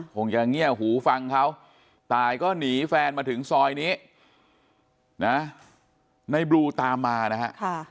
คงจะเงียบหูฟังเขาตายก็หนีแฟนมาถึงซอยนี้นะในบลูตามมานะฮะ